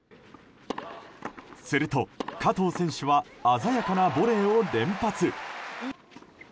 すると、加藤選手は鮮やかなボレーを連発。